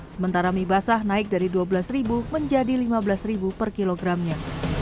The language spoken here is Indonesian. sementara mie basah naik dari dua belas ribu menjadi lima belas ribu per kilogramnya